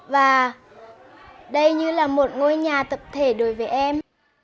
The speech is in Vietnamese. và đây như là một ngôi nhà tập thể đối với em